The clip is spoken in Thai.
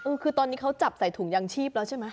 คือตอนนี้เขาจับใส่ถุงยางชีพแล้วใช่ไหม